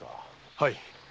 はい。